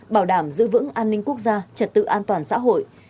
bảo đảm giữ vững an ninh quốc gia trật tự an toàn xã hội